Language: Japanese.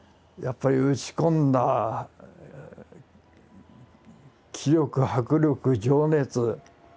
やっぱり打ち込んだ気力迫力情熱。